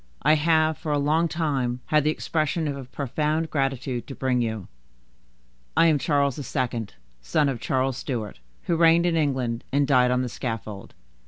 I have, for a long time, had the expression of a profound gratitude to bring you. I am Charles II., son of Charles Stuart, who reigned in England, and died on the scaffold."